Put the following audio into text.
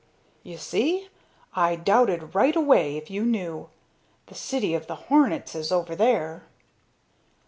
"You see! I doubted right away if you knew. The city of the hornets is over there."